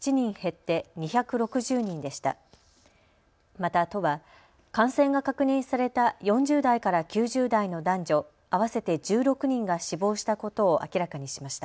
また都は感染が確認された４０代から９０代の男女合わせて１６人が死亡したことを明らかにしました。